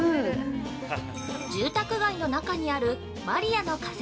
◆住宅街の中にある「マリヤの風」。